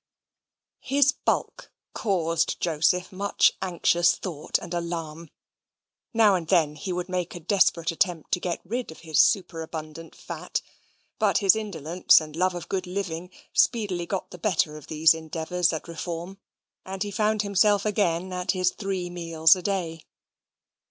His bulk caused Joseph much anxious thought and alarm; now and then he would make a desperate attempt to get rid of his superabundant fat; but his indolence and love of good living speedily got the better of these endeavours at reform, and he found himself again at his three meals a day.